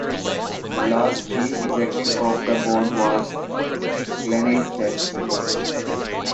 The last Chief Executive of the board was Glenys Stacey.